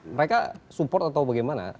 mereka support atau bagaimana